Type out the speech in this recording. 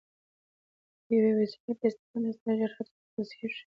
د یوې وسیلې په استفادې سره ژر هدف ته رسېږي.